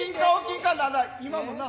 今もな